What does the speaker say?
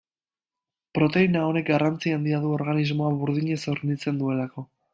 Proteina honek garrantzi handia du organismoa burdinez hornitzen duelako.